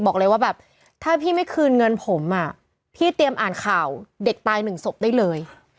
บอกเลยว่าแบบถ้าพี่ไม่คืนเงินผมอ่ะพี่เตรียมอ่านข่าวเด็กตายหนึ่งศพได้เลย